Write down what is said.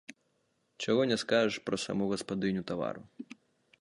Чаго не скажаш пра саму гаспадыню тавару.